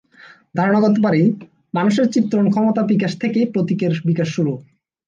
ধারণা করতে পারি, মানুষের চিত্রণ ক্ষমতার বিকাশ থেকেই প্রতীকের বিকাশ শুরু।